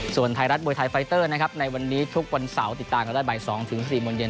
ส่วนไทยรัฐมวยไทยไฟเตอร์นะครับในวันนี้ทุกวันเสาร์ติดตามกันได้บ่าย๒๔โมงเย็น